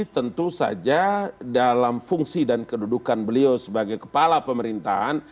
tentu saja dalam fungsi dan kedudukan beliau sebagai kepala pemerintahan